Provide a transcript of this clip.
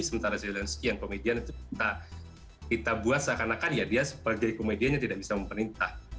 sementara zelensky yang komedian itu kita buat seakan akan ya dia sebagai komediannya tidak bisa memperintah